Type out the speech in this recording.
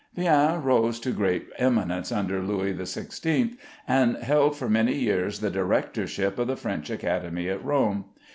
Vien rose to great eminence under Louis XVI, and held for many years the directorship of the French Academy at Rome.